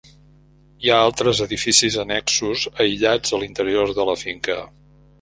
Hi ha altres edificis annexos aïllats a l'interior de la finca.